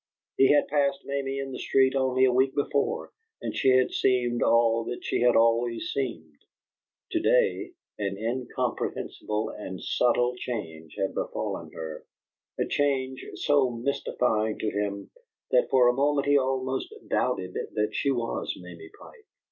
He had passed Mamie in the street only a week before, and she had seemed all that she had always seemed; to day an incomprehensible and subtle change had befallen her a change so mystifying to him that for a moment he almost doubted that she was Mamie Pike.